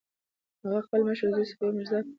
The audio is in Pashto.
هغه خپل مشر زوی صفي میرزا په ناحقه وواژه.